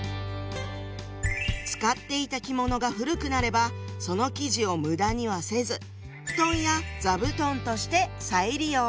使っていた着物が古くなればその生地を無駄にはせず布団や座布団として再利用。